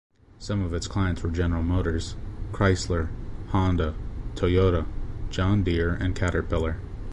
Some of its clients were General Motors, Chrysler, Honda, Toyota, John Deere and Caterpillar.